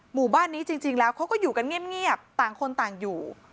หมู่บ้านนี้จริงแล้วเขาก็อยู่กันเงียบต่างคนต่างอยู่